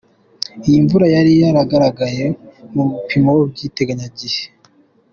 Iyi mvura yari yagaragaye mu bipimo by’iteganyagihe.